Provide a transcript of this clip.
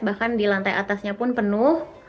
bahkan di lantai atasnya pun penuh